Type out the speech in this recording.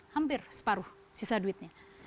hampir separuh sisa duitnya